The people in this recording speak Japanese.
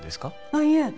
あっいえ